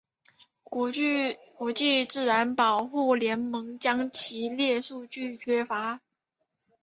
国际自然保护联盟将其列为数据缺乏。